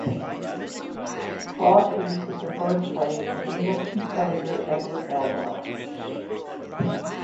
Broadheath is the birthplace of the English composer Edward Elgar.